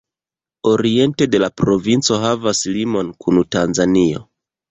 Oriente la provinco havas limon kun Tanzanio.